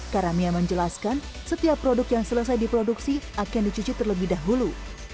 karamia menjelaskan setiap produk yang selesai diproduksi akan dicuci terlebih dahulu